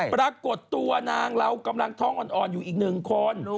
ปรากฏตัวนางเรากำลังท้องอ่อนอยู่อีกหนึ่งคน